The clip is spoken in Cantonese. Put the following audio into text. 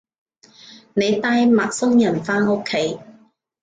你帶陌生人返屋企